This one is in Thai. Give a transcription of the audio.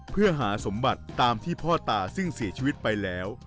เพื่อหาสมบัติตามที่พ่อตาซึ่งเสียชีวิตไปแล้ว